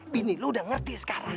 bini lo udah ngerti sekarang